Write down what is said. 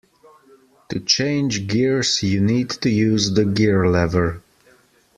To change gears you need to use the gear-lever